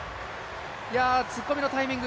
突っ込みのタイミング